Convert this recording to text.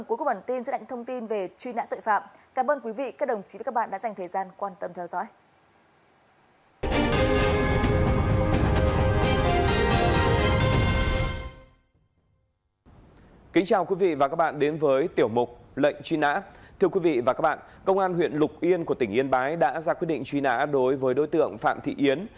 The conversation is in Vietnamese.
của tỉnh yên bái đã ra quyết định truy nã đối với đối tượng phạm thị yến